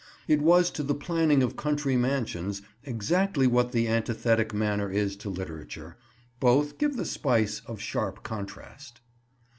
It was to the planning of country mansions exactly what the antithetic manner is to literature: both give the spice of sharp contrast.